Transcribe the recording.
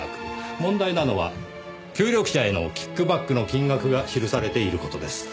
問題なのは協力者へのキックバックの金額が記されている事です。